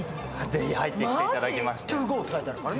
ぜひ入ってきていただきまして。